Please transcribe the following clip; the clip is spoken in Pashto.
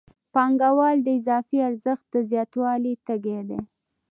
پانګوال د اضافي ارزښت د زیاتوالي تږی دی